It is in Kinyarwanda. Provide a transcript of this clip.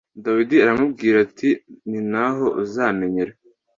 Dawidi aramubwira ati Ni naho uzamenyera